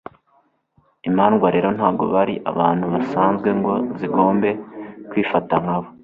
imandwa rero ntago bari abantu basanzwe ngo zigombe kwifata nkabo